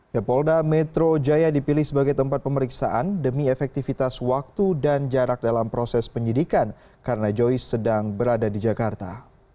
the polda metro jaya dipilih sebagai tempat pemeriksaan demi efektivitas waktu dan jarak dalam proses penyidikan karena joyce sedang berada di jakarta